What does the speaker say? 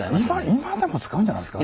今でも使うんじゃないですか。